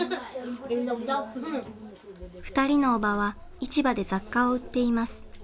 ２人の叔母は市場で雑貨を売っています。